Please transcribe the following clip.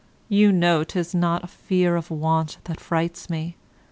You know 'tis not a fear of want that frights me.